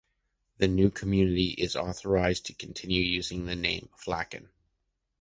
The new community is authorized to continue using the name ‘‘Flecken.’’